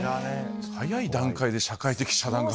早い段階で社会的遮断が。